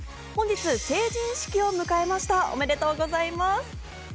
本日、成人式を迎えました、おめでとうございます。